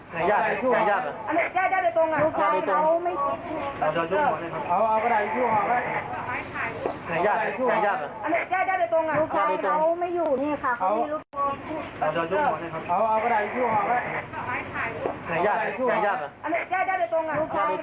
นะครับ